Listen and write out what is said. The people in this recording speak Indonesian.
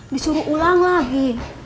disuruh ulang lagi